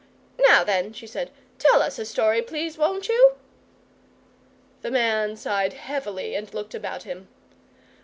"Now, then," she said, "tell us a story, please, won't you?" The Man sighed heavily and looked about him.